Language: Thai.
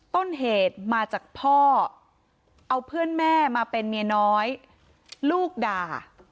ต้นเหตุมาจากพ่อเอาเพื่อนแม่มาเป็นเมียน้อยลูกด่า